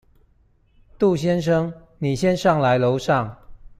杜先生，你先上來樓上